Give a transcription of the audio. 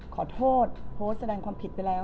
ขอโทษโพสต์แสดงความผิดไปแล้ว